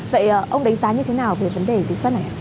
vậy ông đánh giá như thế nào về vấn đề điều soát này ạ